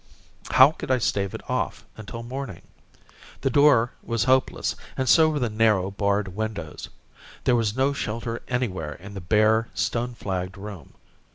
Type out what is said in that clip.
How could I stave it off until morning? The door was hopeless, and so were the narrow, barred windows. There was no shelter anywhere in the bare, stone flagged room.